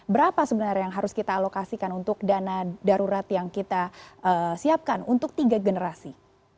berapa sebenarnya yang harus kita alokasikan untuk dana darurat yang kita siapkan untuk tiga generasi